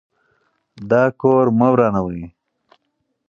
دا کور مه ورانوئ.